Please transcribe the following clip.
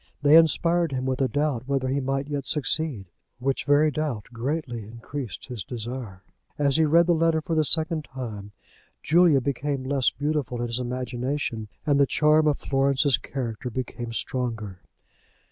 They inspired him with a doubt whether he might yet succeed, which very doubt greatly increased his desire. As he read the letter for the second time, Julia became less beautiful in his imagination, and the charm of Florence's character became stronger.